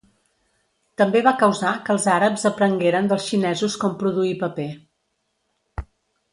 També va causar que els àrabs aprengueren dels xinesos com produir paper.